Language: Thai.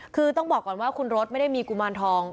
คือต้องบอกก่อนว่าคุณรถไม่ได้มีกุมารทอง